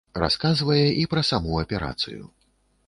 Расказвае і пра саму аперацыю.